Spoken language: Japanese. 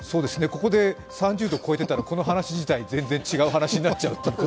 ここで３０度超えてたら、この話自体、全然違くなってしまうと。